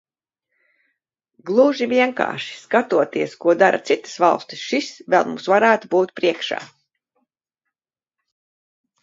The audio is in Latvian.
Gluži vienkārši, skatoties, ko dara citas valstis, šis vēl mums varētu būt priekšā.